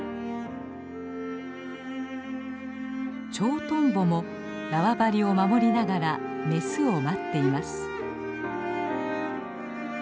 チョウトンボも縄張りを守りながらメスを待っています。